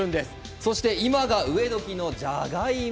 そして今が植え時のじゃがいも。